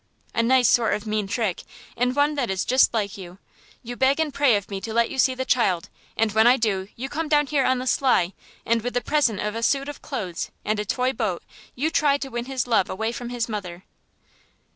A nice sort of mean trick, and one that is just like you. You beg and pray of me to let you see the child, and when I do you come down here on the sly, and with the present of a suit of clothes and a toy boat you try to win his love away from his mother."